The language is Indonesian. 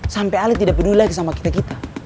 sampai ali tidak peduli lagi sama kita kita